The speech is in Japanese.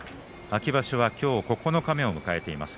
秋場所は今日九日目を迎えています。